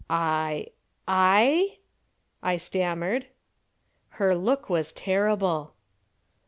"I I ?" I stammered. Her look was terrible.